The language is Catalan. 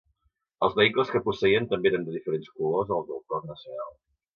Els vehicles que posseïen també eren de diferents colors als del cos nacional.